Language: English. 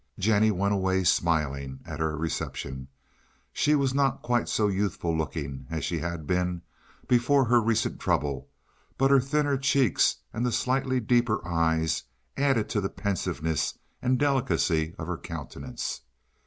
Jennie went away, smiling at her reception. She was not quite so youthful looking as she had been before her recent trouble, but the thinner cheeks and the slightly deeper eyes added to the pensiveness and delicacy of her countenance.